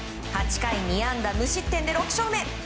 ８回２安打無失点で６勝目。